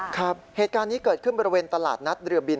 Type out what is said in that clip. ครับเหตุการณ์นี้เกิดขึ้นบริเวณตลาดนัดเรือบิน